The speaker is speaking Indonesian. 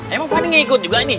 emang paling ngikut juga nih